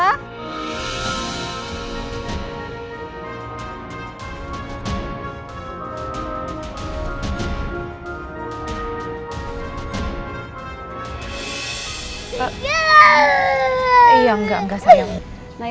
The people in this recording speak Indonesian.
hasta findet ayau senang komdonya ya